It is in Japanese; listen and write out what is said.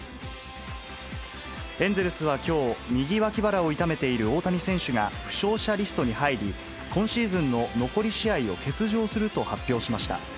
エンゼルスはきょう、右脇腹を痛めている大谷選手が負傷者リストに入り、今シーズンの残り試合を欠場すると発表しました。